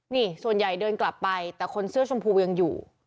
นี่ส่วนใหญ่เดินกลับไปแต่คนเสื้อชมพูยังอยู่